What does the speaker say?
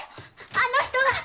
あの人が！